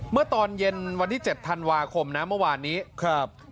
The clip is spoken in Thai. เมื่อตอนเย็นวันที่๗ธันวาคมนะเมื่อวานนี้ครับ